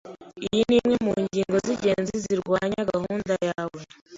Iyi ni imwe mu ngingo zingenzi zirwanya gahunda yawe.